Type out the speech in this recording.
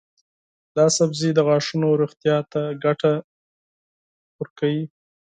دا سبزی د غاښونو روغتیا ته ګټه لري.